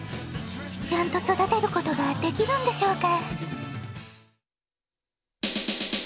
ちゃんとそだてることができるんでしょうか？